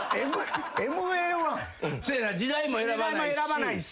時代も選ばないし。